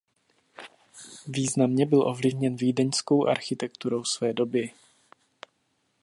Významně byl ovlivněn vídeňskou architekturou své doby.